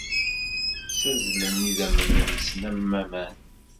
Ssazzlen idammen-nsen am waman.